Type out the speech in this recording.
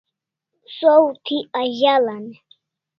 Saw thi azal'an e?